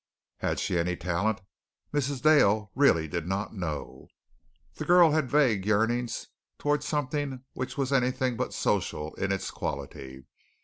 Had she any talent? Mrs. Dale really did not know. The girl had vague yearnings toward something which was anything but social in its quality.